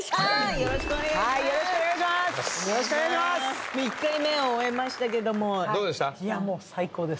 よろしくお願いします。